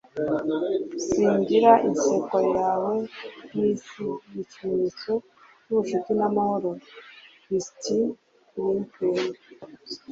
sangira inseko yawe n'isi. ni ikimenyetso cy'ubucuti n'amahoro. - christie brinkley